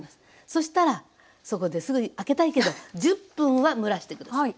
そしたらそこですぐに開けたいけど１０分は蒸らして下さい。